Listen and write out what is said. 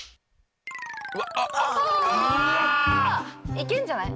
いけるんじゃない？